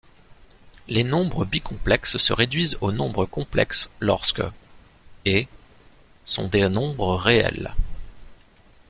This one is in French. Les nombres bicomplexes se réduisent aux nombres complexes lorsque et sont des nombres réels.